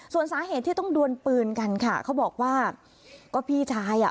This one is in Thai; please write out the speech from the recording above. ส่วนสาเหตุที่ต้องดวนปืนกันค่ะเขาบอกว่าก็พี่ชายอ่ะ